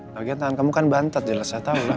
lagian tangan kamu kan bantet jelas saya tahu lah